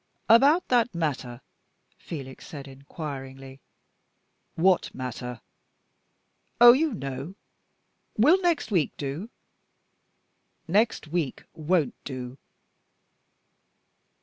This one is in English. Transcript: "About that matter?" Felix said, inquiringly. "What matter?" "Oh, you know. Will next week do?" "Next week won't do."